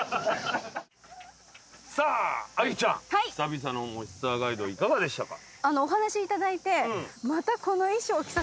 さあ愛梨ちゃん久々の『もしツア』ガイドいかがでしたか？